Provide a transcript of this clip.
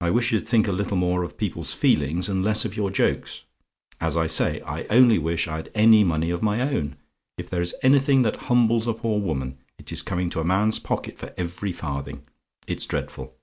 I wish you'd think a little more of people's feelings, and less of your jokes. As I say, I only wish I'd any money of my own. If there is anything that humbles a poor woman, it is coming to a man's pocket for every farthing. It's dreadful!